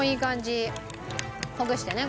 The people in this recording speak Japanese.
ほぐしてね